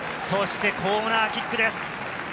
そしてコーナーキックです。